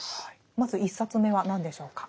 まず１冊目は何でしょうか？